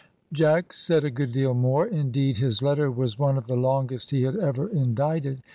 Jack said a good deal more, indeed his letter was one of the longest he had ever indited.